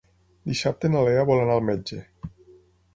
Dissabte na Lea vol anar al metge.